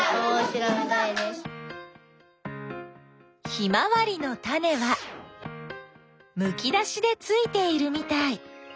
ヒマワリのタネはむき出しでついているみたい。